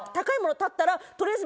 建ったら取りあえず。